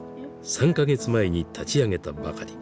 ３か月前に立ち上げたばかり。